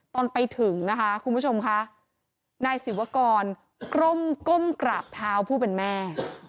ตอนไปถึงนะคะคุณผู้ชมค่ะนายศิวกรก้มกราบเท้าผู้เป็นแม่